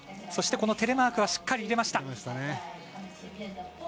そして、このテレマークはしっかり入れました。